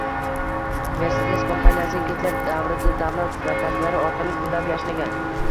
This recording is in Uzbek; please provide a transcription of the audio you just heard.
Mersedes kompaniyasi Gitler davrida davlat zakazlari orqali gullab yashnagan.